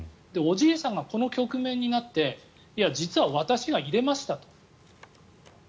おじいさんがこの局面になっていや、実は私が入れましたと。